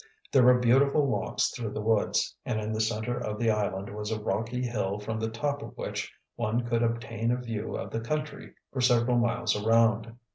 There were beautiful walks through the woods, and in the center of the island was a rocky hill from the top of which one could obtain a view of the country for several miles around.